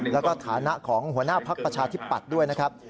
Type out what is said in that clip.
แล้วก็ฐานะของหัวหน้าภักดิ์ประชาธิปัตย์ด้วยนะครับ